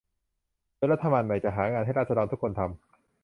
โดยรัฐบาลใหม่จะหางานให้ราษฎรทุกคนทำ